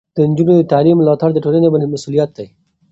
د نجونو د تعلیم ملاتړ د ټولنې مسؤلیت دی.